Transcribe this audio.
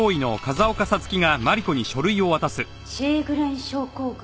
シェーグレン症候群？